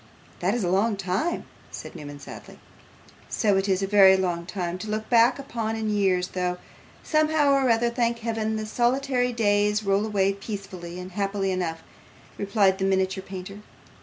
'That is a long time,' said Newman, sadly. 'So it is a very long time to look back upon in years, though, somehow or other, thank Heaven, the solitary days roll away peacefully and happily enough,' replied the miniature painter.